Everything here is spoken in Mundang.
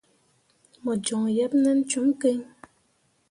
Mo joŋ yeb nen cum gǝǝai.